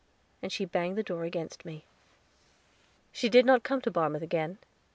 And she banged the door against me. She did not come to Barmouth again.